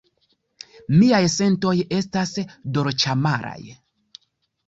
Miaj sentoj estas dolĉamaraj.